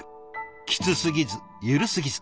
きつすぎず緩すぎず。